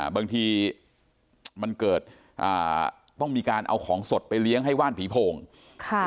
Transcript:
บางทีมันเกิดอ่าต้องมีการเอาของสดไปเลี้ยงให้ว่านผีโพงค่ะ